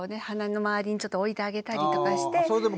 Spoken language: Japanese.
鼻の周りにちょっと置いてあげたりとかして。